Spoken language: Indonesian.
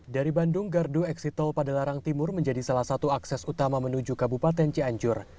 dari bandung gardu eksitol padalarang timur menjadi salah satu akses utama menuju kabupaten cianjur